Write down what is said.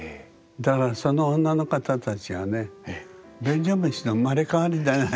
だからその女の方たちはね「便所虫」の生まれ変わりじゃないですか？